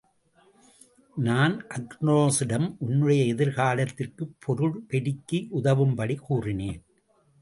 நான் அக்ரோனோசிடம் உன்னுடைய எதிர்காலத்திற்குப் பொருள் பெருக்கி உதவும்படி கூறினேன்.